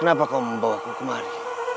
kenapa kau membawa aku kemari